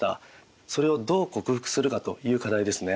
それをどう克服するかという課題ですね。